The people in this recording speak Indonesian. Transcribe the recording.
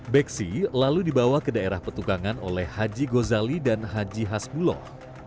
beksi lalu dibawa ke daerah petugangan oleh haji gozali dan haji hasbuloh